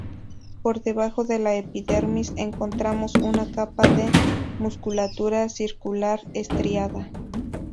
Por debajo de la epidermis encontramos una capa de musculatura circular estriada.